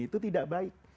itu tidak baik